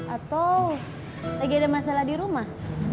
atau lagi ada masalah di rumah